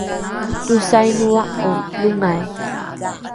tosainoa’o longai?